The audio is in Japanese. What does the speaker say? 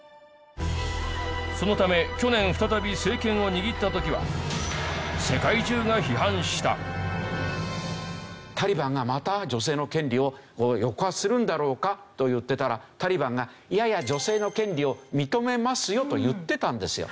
そのため去年再び政権を握った時はタリバンがまた女性の権利を抑圧するんだろうかと言ってたらタリバンがいやいや女性の権利を認めますよと言ってたんですよ。